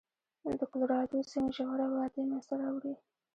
د کلورادو سیند ژوره وادي منځته راوړي.